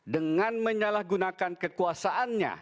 dengan menyalahgunakan kekuasaannya